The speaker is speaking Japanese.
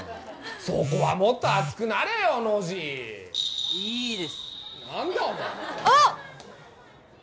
そこはもっと熱くなれよノジいいです何だお前あっ！